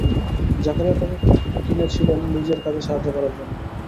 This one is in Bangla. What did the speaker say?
জাকারিয়া তাকে কিনেছিলেন নিজের কাজে সাহায্য করার জন্যে।